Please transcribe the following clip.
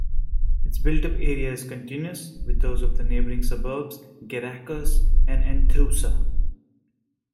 Its built-up area is continuous with those of the neighbouring suburbs Gerakas and Anthousa.